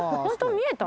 見えた？